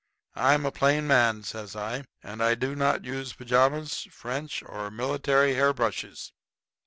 "I'm a plain man," says I, "and I do not use pajamas, French, or military hair brushes.